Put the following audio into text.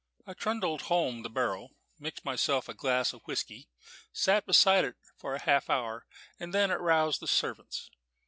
"I trundled home the barrow, mixed myself a glass of whisky, sat beside it for half an hour, and then aroused the servants.